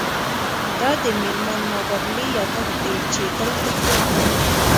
دا د میرمن مابرلي یادښت دی چې دلته پروت دی